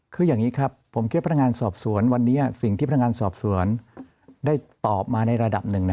คืออย่างนี้ครับผมคิดว่าพนักงานสอบสวนวันนี้สิ่งที่พนักงานสอบสวนได้ตอบมาในระดับหนึ่งนะ